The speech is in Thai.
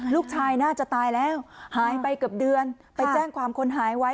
ลูกชายน่าจะตายแล้วหายไปเกือบเดือนไปแจ้งความคนหายไว้